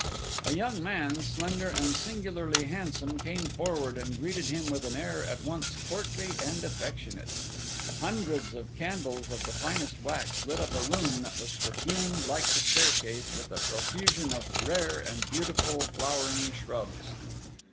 A young man, slender and singularly handsome, came forward and greeted him with an air at once courtly and affectionate. Hundreds of candles, of the finest wax, lit up a room that was perfumed, like the staircase, with a profusion of rare and beautiful flowering shrubs.